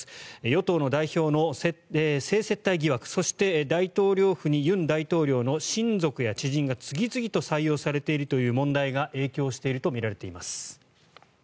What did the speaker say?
与党の代表の性接待疑惑そして、大統領府に尹大統領の親族や知人が次々と採用されているという問題が影響されているとみています。